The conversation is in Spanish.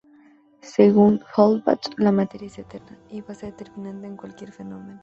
Según d'Holbach, la materia es eterna y base determinante de cualquier fenómeno.